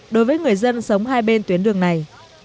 đối với người dân sống hai bên tuyến đường này